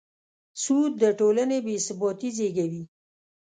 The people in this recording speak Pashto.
سود د ټولنې بېثباتي زېږوي.